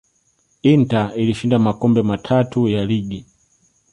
inter ilishinda makombe matatu ya ligi